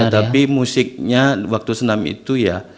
tapi musiknya waktu senam itu ya